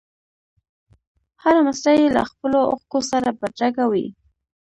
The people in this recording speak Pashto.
هره مسره یې له خپلو اوښکو سره بدرګه وي.